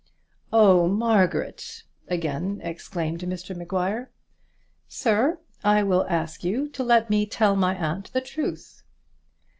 "Oh, Margaret!" again exclaimed Mr Maguire. "Sir, I will ask you to let me tell my aunt the truth.